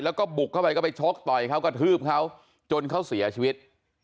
แล้วก็บุกเข้าไปก็ไปชกต่อยเขากระทืบเขาจนเขาเสียชีวิต